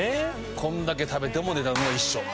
これだけ食べても値段は一緒。